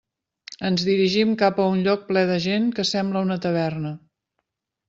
Ens dirigim cap a un lloc ple de gent que sembla una taverna.